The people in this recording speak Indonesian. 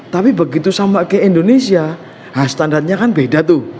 tapi begitu sama kayak indonesia nah standarnya kan beda tuh